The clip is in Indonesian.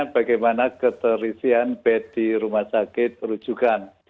bagaimana keterisian bed di rumah sakit rujukan